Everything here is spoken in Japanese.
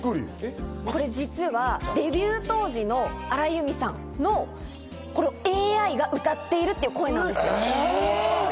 これ実はデビュー当時の荒井由実さんのＡＩが歌っている声なんです。